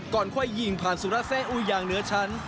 ก่อนค่อยยิงผ่านสุรแซ่อุยางเนื้อชั้น